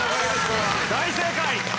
大正解！